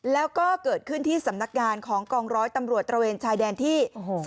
แล้วก็เกิดขึ้นที่สำนักงานของกองร้อยตำรวจตระเวนชายแดนที่